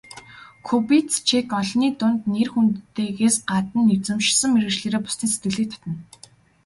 Кубицчек олны дунд нэр хүндтэйгээс гадна эзэмшсэн мэргэжлээрээ бусдын сэтгэлийг татна.